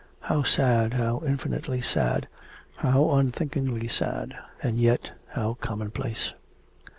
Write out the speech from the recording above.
How sad, how infinitely sad, how unthinkingly sad, and yet how common place.